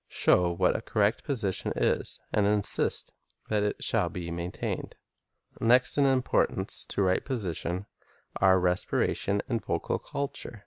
Show what a correct position is, and insist that it shall be maintained. Next in importance to right position are respiration and vocal culture.